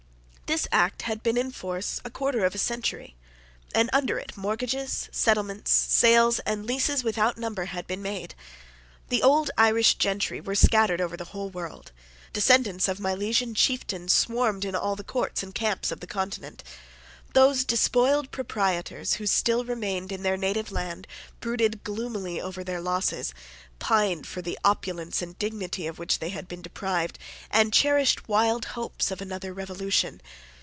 This act had been in force a quarter of a century; and under it mortgages, settlements, sales, and leases without number had been made. The old Irish gentry were scattered over the whole world. Descendants of Milesian chieftains swarmed in all the courts and camps of the Continent. Those despoiled proprietors who still remained in their native land, brooded gloomily over their losses, pined for the opulence and dignity of which they had been deprived, and cherished wild hopes of another revolution.